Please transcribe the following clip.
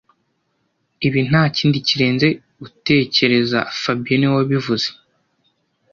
Ibi ntakindi kirenze gutekereza fabien niwe wabivuze